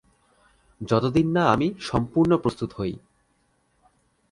যতদিন না আমি সম্পূর্ণ প্রস্তুত হই।